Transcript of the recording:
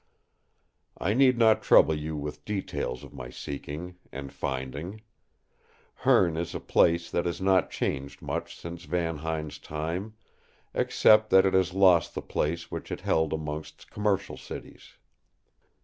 I need not trouble you with details of my seeking—and finding. Hoorn is a place that has not changed much since Van Huyn's time, except that it has lost the place which it held amongst commercial cities.